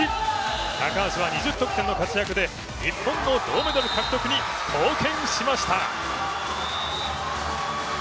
高橋は２０得点の活躍で日本の銅メダル獲得に貢献しました。